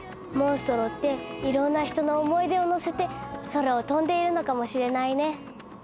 モンストロっていろんな人の思い出をのせて空を飛んでいるのかもしれないね。